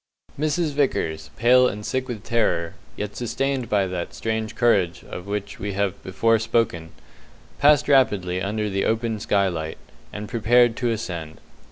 Mrs Vickers, pale and sick with terror, yet sustained by that strange courage of which we have before spoken, passed rapidly under the open skylight, and prepared to ascend.